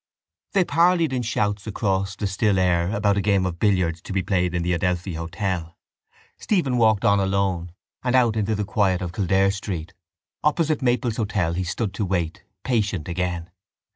They parleyed in shouts across the still air about a game of billiards to be played in the Adelphi hotel. Stephen walked on alone and out into the quiet of Kildare Street opposite Maple's hotel he stood to wait, patient again.